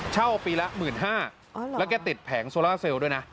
เช่าปีละ๑๕๐๐บาทแล้วแกติดแผงโซล่าเซลล์ด้วยนะ